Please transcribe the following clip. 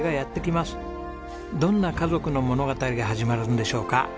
どんな家族の物語が始まるんでしょうか。